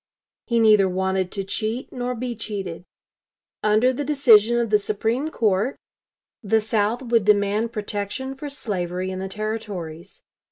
He neither wanted to cheat nor be cheated. Under the decision of the Supreme Court the South would demand protection for slavery in the Territories.